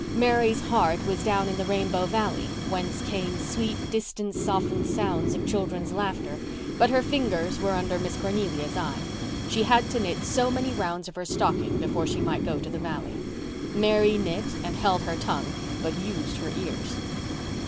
Mary's heart was down in the Rainbow Valley, whence came sweet, distance softened sounds of children's laughter, but her fingers were under Miss Cornelia's eye. She had to knit so many rounds of her stocking before she might go to the valley. Mary knit and held her tongue, but used her ears.